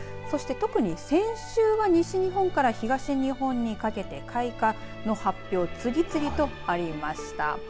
そして特に先週は西日本から東日本にかけて開花の発表、次々とありました。